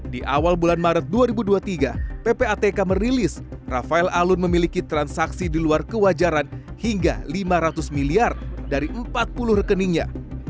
di awal bulan maret dua ribu dua puluh tiga ppatk merilis rafael alun memiliki transaksi di luar kewajaran hingga lima ratus miliar dari empat puluh rekeningnya